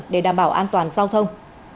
để đảm bảo an toàn giao thông